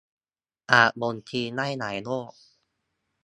อาจบ่งชี้ได้หลายโรค